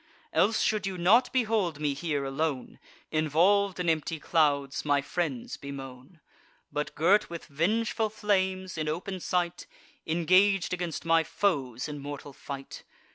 Else should you not behold me here, alone, Involv'd in empty clouds, my friends bemoan, But, girt with vengeful flames, in open sight Engag'd against my foes in mortal fight.